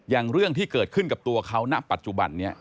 อย่างเรื่องที่เกิดขึ้นกับตัวเขาณปัจจุบันนี้